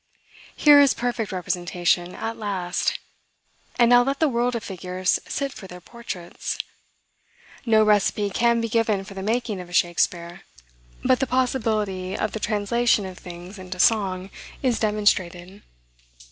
Here is perfect representation, at last; and now let the world of figures sit for their portraits. No recipe can be given for the making of a Shakspeare; but the possibility of the translation of things into song is demonstrated.